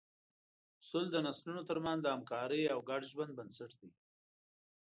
اصول د نسلونو تر منځ د همکارۍ او ګډ ژوند بنسټ دي.